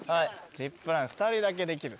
ジップライン２人だけできる。